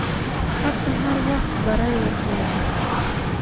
هڅه هر وخت بری ورکوي.